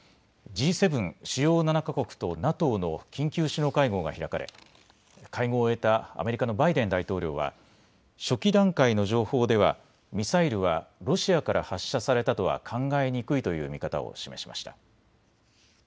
Ｇ７・主要７か国とＮＡＴＯの緊急首脳会合が開かれ会合を終えたアメリカのバイデン大統領は初期段階の情報ではミサイルはロシアから発射されたとは考えにくいという見方を示しました。